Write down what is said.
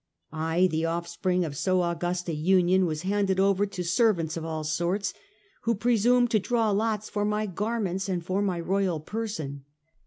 I, the offspring of so august a union, was handed over to servants of all sorts, who presumed to draw lots for my garments and for my royal person.